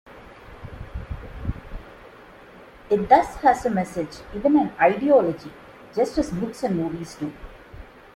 It thus has a message, even an "ideology," just as books and movies do.